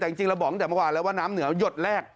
แต่จริงเราบอกตั้งแต่เมื่อวานแล้วว่าน้ำเหนือหยดแรก